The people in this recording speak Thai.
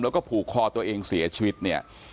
แล้วก็ผูกคอตัวเองเสียชีวิตเนี่ย